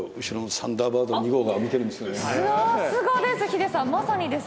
さすがです！